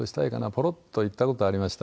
ぽろっと言った事ありました。